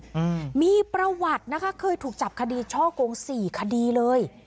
อืมมีประวัตินะคะเคยถูกจับคดีช่อกงสี่คดีเลย